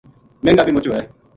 مہنگا بے مُچ ہوے